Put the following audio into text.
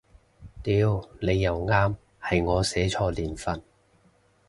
屌你又啱，係我寫錯年份